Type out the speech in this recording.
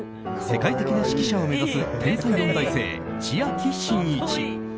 世界的な指揮者を目指す天才音大生、千秋真一。